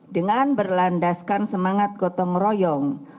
dengan berlandaskan semangat gotong royong